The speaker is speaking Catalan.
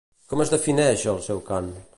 Com es defineix el seu cant?